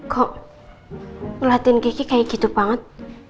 kok ngeliatin kiki kayak gitu banget